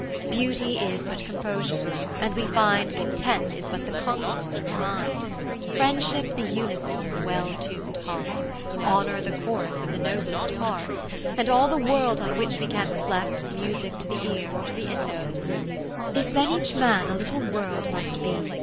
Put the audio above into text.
Beauty is but composure, and we find Content is but the concord of the mind, lo (518) Friendship the unison of well tun'd hearts. Honour the Chorus of the noblest parts. And all the world on which we can reflect Music to th' ear, or to the intellect. If then each man 0. Little World must be.